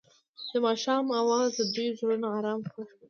د ماښام اواز د دوی زړونه ارامه او خوښ کړل.